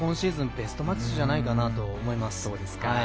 ベストマッチじゃないかなと思います。